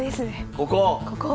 ここ！